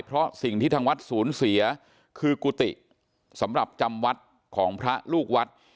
เพราะสิ่งที่ทางวัดสูญเสียคือกุฏิสำหรับจำวัดของพระลูกวัด